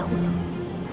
lebih tinggi dari dahulu